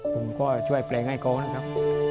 ผมก็ช่วยแปลงให้เขานะครับ